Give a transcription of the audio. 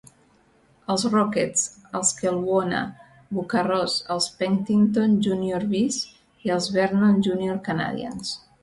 Els Rockets, els Kelowna Buckaroos, els Penticton Junior Vees i els Vernon Junior Canadians.